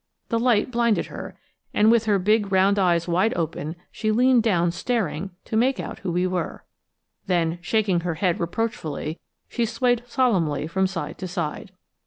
The light blinded her, and with her big round eyes wide open she leaned down staring to make out who we were. Then shaking her head reproachfully, she swayed solemnly from side to side.